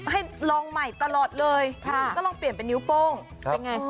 ให้ลองใหม่ตลอดเลยก็ลองเปลี่ยนเป็นนิ้วโป้งเป็นไง